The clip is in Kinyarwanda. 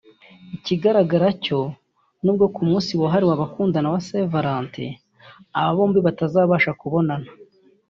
Ikigaragara cyo n’ubwo ku munsi wahriwe abakundana wa Saint Valentin aba bombi batazabasha kubonana